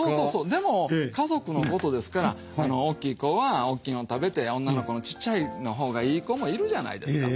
でも家族のことですから大きい子は大きいの食べて女の子のちっちゃいのほうがいい子もいるじゃないですか。